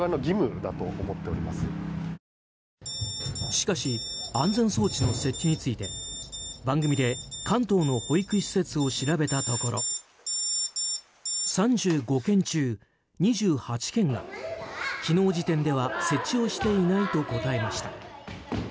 しかし安全装置の設置について番組で関東の保育施設を調べたところ３５件中２８件が、昨日時点では設置をしていないと答えました。